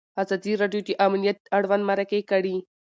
ازادي راډیو د امنیت اړوند مرکې کړي.